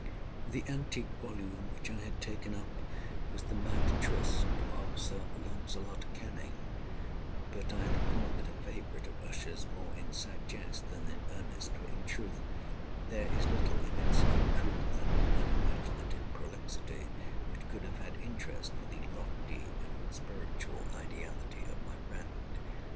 The antique volume which I had taken up was the "Mad Trist" of Sir Launcelot Canning; but I had called it a favorite of Usher's more in sad jest than in earnest; for, in truth, there is little in its uncouth and unimaginative prolixity which could have had interest for the lofty and spiritual ideality of my friend.